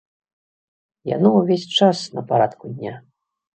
Яно ўвесь час на парадку дня.